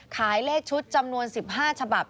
ขายเลขชุดจำนวน๑๕ฉบับ